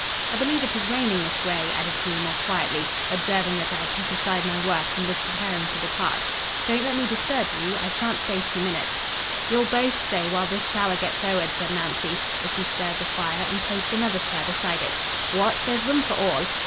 I believe it is raining, Miss Grey," added he, more quietly, observing that I had put aside my work, and was preparing to depart. "Don't let me disturb you—I shan't stay two minutes." "You'll both stay while this shower gets owered," said Nancy, as she stirred the fire, and placed another chair beside it; "what! there's room for all."